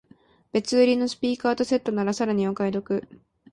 別売りのスピーカーとセットならさらにお買い得